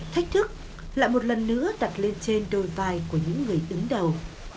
thách thức lại một lần nữa đặt lên trên đôi vai của những người đứng đầu